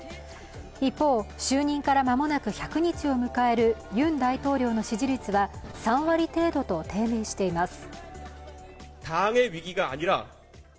一方、就任から間もなく１００日を迎えるユン大統領の支持率は３割程度と低迷しています。